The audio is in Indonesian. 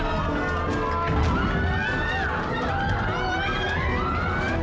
ada luka enggak